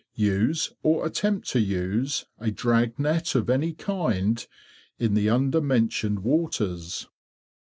6. Use or attempt to use a drag net of any kind in the under mentioned waters:— 1.